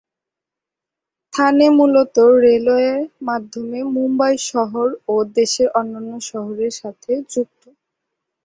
থানে মূলত রেলওয়ে মাধ্যমে মুম্বাই শহর ও দেশের অন্যান্য শহরের সাথে যুক্ত।